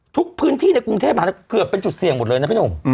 ทุกพื้นที่ในกรุงเทพมหานครเกือบเป็นจุดเสี่ยงหมดเลยนะพี่หนุ่ม